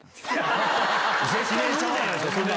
絶対無理じゃないですか！